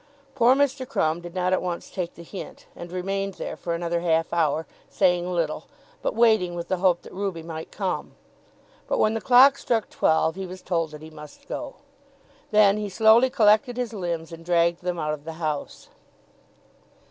Poor Mr. Crumb did not at once take the hint, and remained there for another half hour, saying little, but waiting with the hope that Ruby might come. But when the clock struck twelve he was told that he must go. Then he slowly collected his limbs and dragged them out of the house.